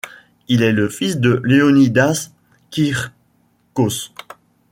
Il est le fils de Leonídas Kýrkos.